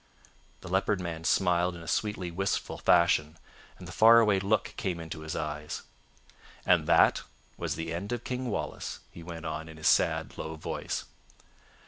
The Leopard Man smiled in a sweetly wistful fashion, and the far away look came into his eyes. "And that was the end of King Wallace," he went on in his sad, low voice.